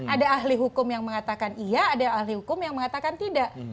ada ahli hukum yang mengatakan iya ada ahli hukum yang mengatakan tidak